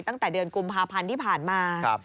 ตั้งแต่เดือนกุมภาพันธ์ที่ผ่านมา